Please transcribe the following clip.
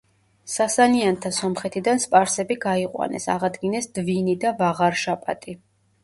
სასანიანთა სომხეთიდან სპარსები გაიყვანეს, აღადგინეს დვინი და ვაღარშაპატი.